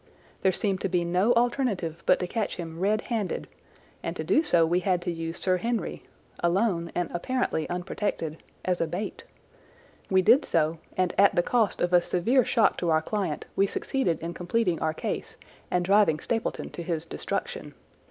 There seemed to be no alternative but to catch him red handed, and to do so we had to use Sir Henry, alone and apparently unprotected, as a bait. We did so, and at the cost of a severe shock to our client we succeeded in completing our case and driving Stapleton to his destruction.